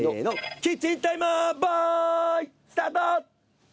キッチンタイマーボーイスタート！